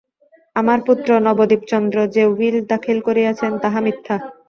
আমার পুত্র নবদ্বীপচন্দ্র যে উইল দাখিল করিয়াছেন তাহা মিথ্যা।